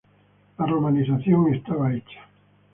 La romanización estaba hecha.